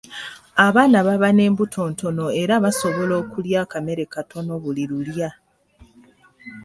Abaana baba n'embuto ntono era basobola okulya akamere katonotono buli lulya.